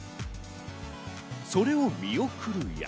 それを見送るや、